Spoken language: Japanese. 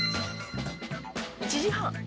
１時半？